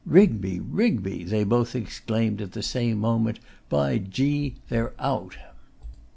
'Rigby! Rigby!' they both exclaimed at the same moment. 'By G they're out!